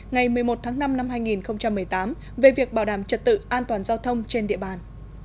ngày một mươi một tháng năm năm hai nghìn một mươi tám về việc bảo đảm trật tự an toàn giao thông trên địa bàn